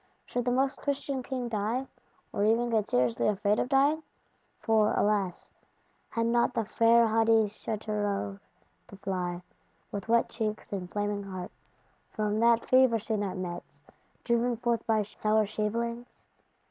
Should the Most Christian King die; or even get seriously afraid of dying! For, alas, had not the fair haughty Châteauroux to fly, with wet cheeks and flaming heart, from that Fever scene at Metz; driven forth by sour shavelings?